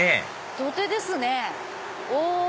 土手ですね。